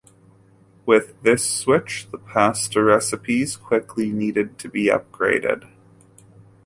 With this switch, the pasta recipes quickly needed to be upgraded.